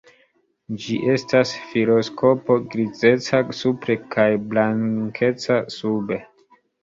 Ĝi estas filoskopo grizeca supre kaj blankeca sube.